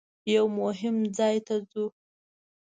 یوه مهم ځای ته ځو.